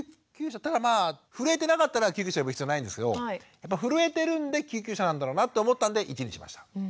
ただまあ震えてなかったら救急車呼ぶ必要ないんですけど震えてるんで救急車なんだろうなと思ったんで１にしました。